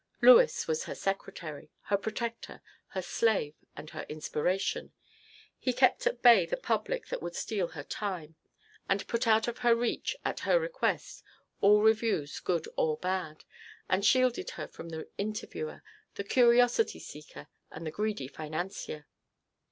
Lewes was her secretary, her protector, her slave and her inspiration. He kept at bay the public that would steal her time, and put out of her reach, at her request, all reviews, good or bad, and shielded her from the interviewer, the curiosity seeker, and the greedy financier.